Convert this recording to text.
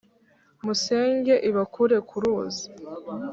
Musenge ibakure ku ruzi.